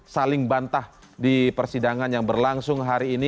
saling bantah di persidangan yang berlangsung hari ini